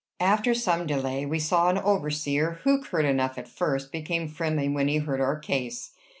After some delay, we saw an overseer, who, curt enough at first, became friendly when he heard our case.